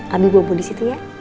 abi bobo di situ ya